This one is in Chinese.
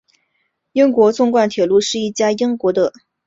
英国纵贯铁路是英国的一家铁路客运公司。